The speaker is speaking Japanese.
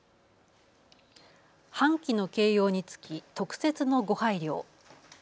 半旗の掲揚につき特設のご配慮を。